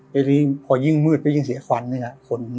ไปที่นี่พอยิ่งมืดไปยิ่งเสียขวัญนี่ครับ